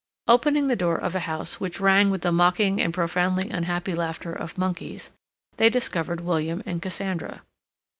Opening the door of a house which rang with the mocking and profoundly unhappy laughter of monkeys, they discovered William and Cassandra.